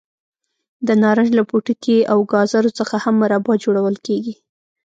د نارنج له پوټکي او ګازرو څخه هم مربا جوړول کېږي.